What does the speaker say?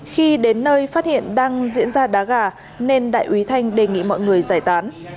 khi đến nơi phát hiện đang diễn ra đá gà nên đại úy thanh đề nghị mọi người giải tán